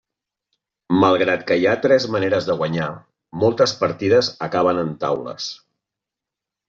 Malgrat que hi ha tres maneres de guanyar, moltes partides acaben en taules.